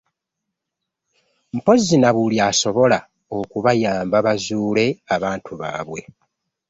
Mpozzi na buli asobola okubayamba bazuule abantu baabwe